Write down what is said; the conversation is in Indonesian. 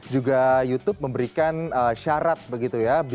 juga youtube memberikan syarat begitu ya